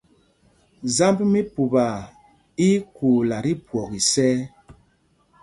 Zámb mí Pupaa í í kuula tí phwɔk isɛ̄y.